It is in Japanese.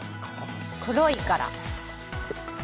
黒いから？